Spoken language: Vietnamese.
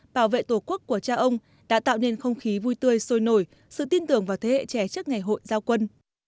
bảo vệ tổ quốc của cha ông đã tạo nên không khí vui tươi sôi nổi sự tin tưởng vào thế hệ trẻ trước ngày hội giao quân